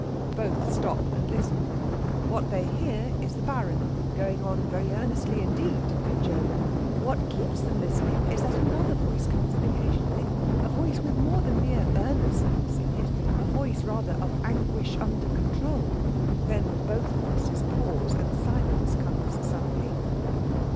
Both stop and listen. What they hear is the Baron, going on very earnestly indeed in German. What keeps them listening is that another voice comes in occasionally a voice with more than mere earnestness in it; a voice rather of anguish under control. Then both voices pause, and silence comes suddenly.